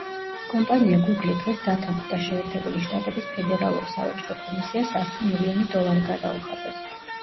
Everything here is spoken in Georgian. კომპანია „გუგლი“ დღეს დათანხმდა, შეერთებული შტატების ფედერალურ სავაჭრო კომისიას ასი მილიონი დოლარი გადაუხადოს.